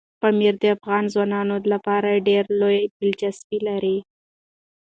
پامیر د افغان ځوانانو لپاره ډېره لویه دلچسپي لري.